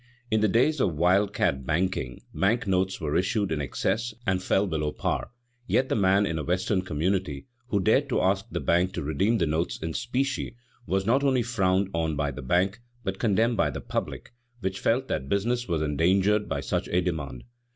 In the days of "wild cat" banking, bank notes were issued in excess and fell below par, yet the man in a Western community who dared to ask the bank to redeem the notes in specie was not only frowned on by the bank, but condemned by the public, which felt that business was endangered by such a demand.